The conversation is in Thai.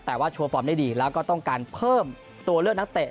แต่ว่าโชว์ฟอร์มได้ดีแล้วก็ต้องการเพิ่มตัวเลือกนักเตะ